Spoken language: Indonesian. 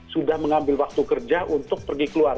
sudah mengambil waktu kerja untuk pergi keluar